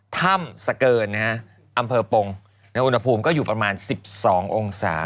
ถ้ำสเกินนะฮะอำเภอปงอุณหภูมิก็อยู่ประมาณ๑๒องศา